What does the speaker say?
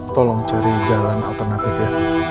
tolong cari jalan alternatif ya